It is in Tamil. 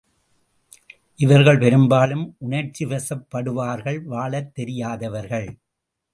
இவர்கள் பெரும்பாலும் உணர்ச்சிவசப் படுவார்கள் வாழத் தெரியாதவர்கள்.